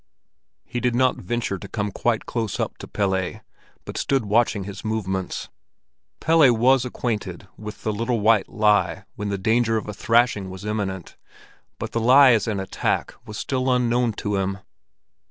He did not venture to come quite close up to Pelle, but stood watching his movements. Pelle was acquainted with the little white lie when the danger of a thrashing was imminent, but the lie as an attack was still unknown to him.